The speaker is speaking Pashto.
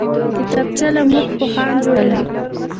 کتابچه له موږ پوهان جوړوي